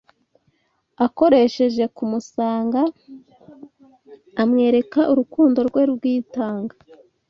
akoresheje kumusanga amwereka urukundo Rwe rwitanga